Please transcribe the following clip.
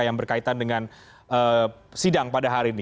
yang berkaitan dengan sidang pada hari ini